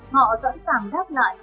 họ sẵn sàng đáp lại